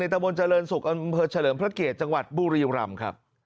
ในตระบวนเจริญศุกร์อเฉลิมพระเกศจังหวัดบุรียุรัมต์